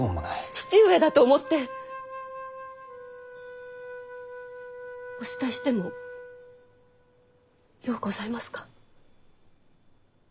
父上だと思ってお慕いしてもようございますか。